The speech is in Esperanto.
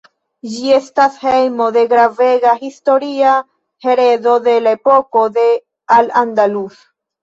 Ĝi estas hejmo de gravega historia heredo de la epoko de Al Andalus.